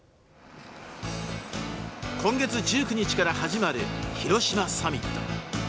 今月１９日から始まる広島サミット。